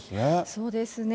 そうですね。